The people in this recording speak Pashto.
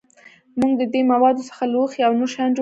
موږ د دې موادو څخه لوښي او نور شیان جوړوو.